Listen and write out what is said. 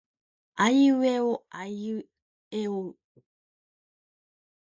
あいうえおあいえおう。